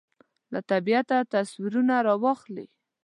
له طبیعته تصویرونه رااخلي